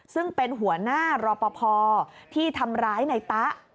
ซึ่งเป็นหัวหน้ารอปภที่ทำร้ายในตะ